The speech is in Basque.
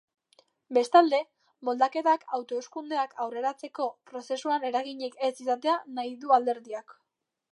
Bestalde, moldaketak hauteskundeak aurreratzeko prozesuan eraginik ez izatea nahi du alderdiak.